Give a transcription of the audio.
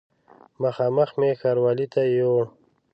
مخامخ مې ښاروالي ته یووړ.